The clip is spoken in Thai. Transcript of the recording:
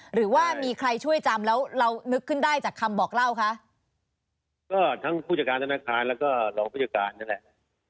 หรือว่ามีใครช่วยจำแล้วเรานึกขึ้นได้จากคำบอกเล่าคะก็ทั้งผู้จัดการธนาคารแล้วก็รองผู้จัดการนั่นแหละ